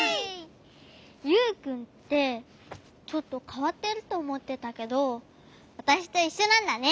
ユウくんってちょっとかわってるとおもってたけどわたしといっしょなんだね。